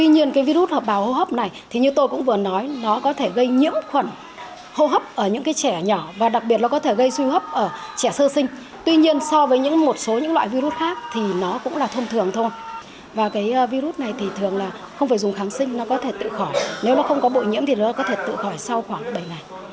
nếu nó không có bội nhiễm thì nó có thể tự khỏi sau khoảng bảy ngày